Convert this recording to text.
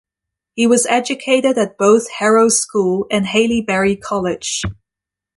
He was educated at both Harrow School and Haileybury College.